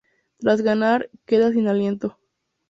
Tras ganar, queda sin aliento.